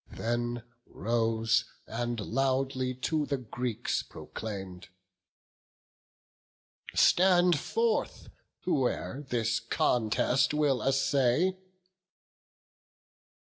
Then rose, and loudly to the Greeks proclaim'd, "Stand forth, whoe'er this contest will essay."